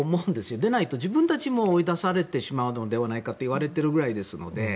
でないと自分たちも追い出されてしまうのではないかといわれているくらいですので。